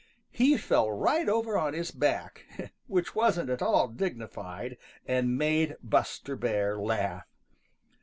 He fell right over on his back, which wasn't at all dignified, and made Buster Bear laugh.